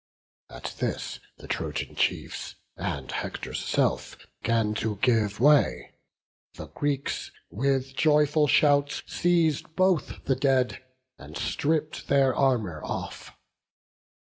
At this the Trojan chiefs and Hector's self 'Gan to give way; the Greeks, with joyful shouts, Seiz'd both the dead, and stripp'd their armour off.